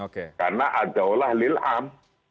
karena ada olah lil'am